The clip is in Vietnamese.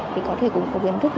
thì có thể cũng có kiến thức